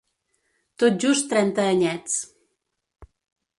Tot just trenta anyets.